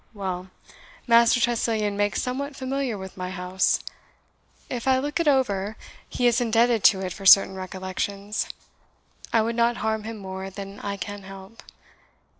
Well Master Tressilian makes somewhat familiar with my house; if I look it over, he is indebted to it for certain recollections. I would not harm him more than I can help.